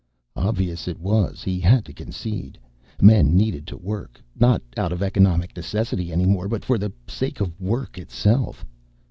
Obvious it was, he had to concede. Men needed to work, not out of economic necessity any more but for the sake of work itself.